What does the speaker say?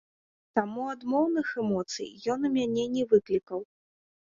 Таму адмоўных эмоцый ён у мяне не выклікаў.